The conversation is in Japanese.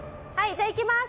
じゃあいきます。